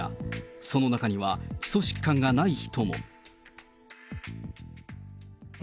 その中には基礎疾患がない人も。